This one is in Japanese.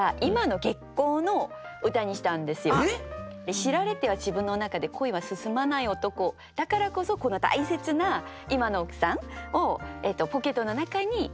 知られては自分の中で恋は進まない男だからこそ大切な今の奥さんをポケットの中に隠していったっていう。